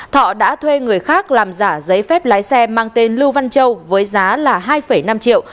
thọ đã thuê người khác làm giả giấy phép lái xe mang tên lưu văn châu với giá là hai năm triệu